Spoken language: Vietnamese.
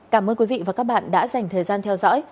cảm ơn quý vị và các bạn đã dành thời gian theo dõi